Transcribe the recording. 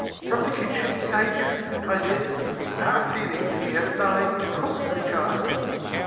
"From the kitchen Major?" I says half feeling as if he had a mind to cook the child.